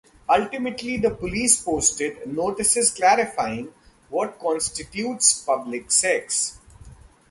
Ultimately the police posted notices clarifying what constitutes public sex.